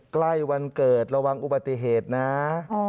ใกล้วันเกิดระวังอุบัติเหตุนะ